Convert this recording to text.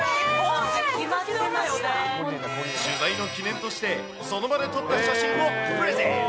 取材の記念として、その場で撮った写真をプレゼント。